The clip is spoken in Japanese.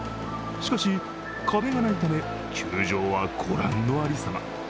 しかし、壁がないため球場は、ご覧の有様。